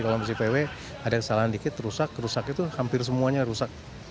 kalau masih vw ada kesalahan dikit rusak rusak itu hampir semuanya rusak